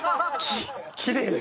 きれい。